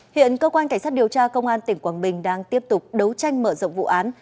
hiện cơ quan cảnh sát điều tra công an tỉnh quảng bình đang tiếp tục đấu tranh mở rộng vụ án